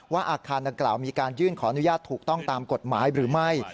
อาคารดังกล่าวมีการยื่นขออนุญาตถูกต้องตามกฎหมายหรือไม่